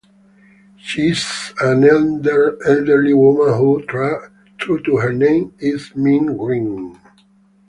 She is an elderly woman who, true to her name, is mint green.